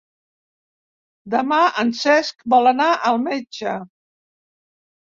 Demà en Cesc vol anar al metge.